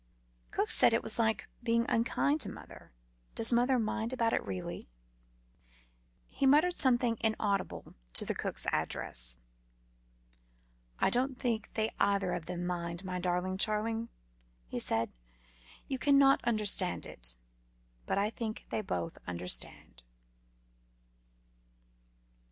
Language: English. "Cook said it was like being unkind to mother. Does mother mind about it, really?" He muttered something inaudible to the cook's address. "I don't think they either of them mind, my darling Charling," he said. "You cannot understand it, but I think they both understand."